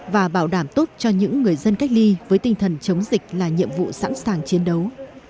và bảo đảm tốt cho những người dân cách ly với tinh thần chống dịch là nhiệm vụ sẵn sàng chiến đấu